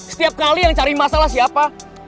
setiap kali yang cari masalah siapa